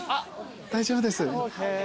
大丈夫です。